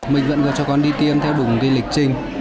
mình vẫn cho con đi tiêm theo đủ lịch trình